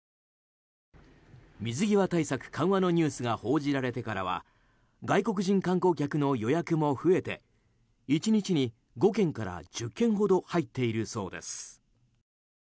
水際対策緩和のニュースが報じられてからは外国人観光客の予約も増えて１日に５件から１０件ほど入っているそうです。